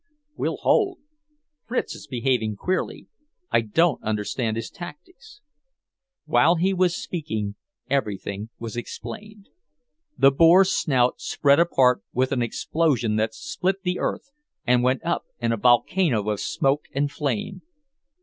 "We'll hold. Fritz is behaving queerly. I don't understand his tactics..." While he was speaking, everything was explained. The Boar's Snout spread apart with an explosion that split the earth, and went up in a volcano of smoke and flame.